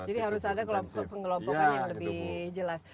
jadi harus ada pengelompokan yang lebih jelas